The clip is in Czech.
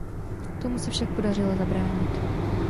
Tomu se však podařilo zabránit.